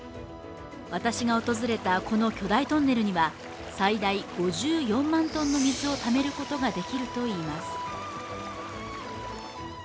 私が訪れたこの巨大トンネルには、最大５４万トンの水をためることができるといいます。